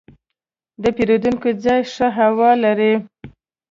د پیرود ځای ښه هوا لري.